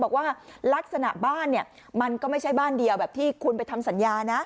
บอกว่าลักษณะบ้านเนี่ยมันก็ไม่ใช่บ้านเดียวแบบที่คุณไปทำสัญญานะ